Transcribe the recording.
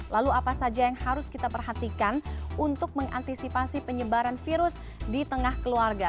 lalu apa saja yang harus kita perhatikan untuk mengantisipasi penyebaran virus di tengah keluarga